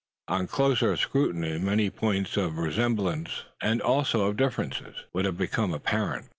On closer scrutiny, many points of resemblance, and also of difference, would have become apparent.